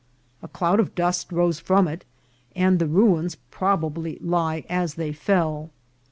A cloud of dust rose from it, and the ruins probably lie as they fell.